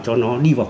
cho nó đi vào khu vực